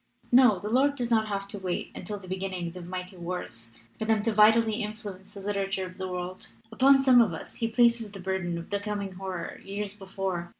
"No, the Lord does not have to wait until the beginnings of mighty wars for them vitally to in fluence the literature of the world. Upon some of us He places the burden of the coming horror years before.